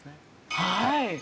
はい。